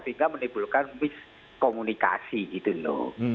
sehingga menimbulkan miskomunikasi gitu loh